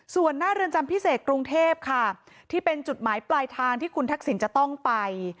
ส่วนหน้าเรือนจำพิเศษกรุงเทพค่ะที่เป็นจุดหมายปลายทางที่คุณทักษิณจะต้องไป